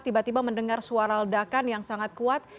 tiba tiba mendengar suara ledakan yang sangat kuat